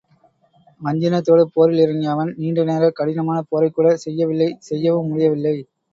வஞ்சினத்தோடு போரில் இறங்கிய அவன் நீண்ட நேர கடினமான போரைக்கூடச் செய்யவில்லை செய்யவும் முடியவில்லை.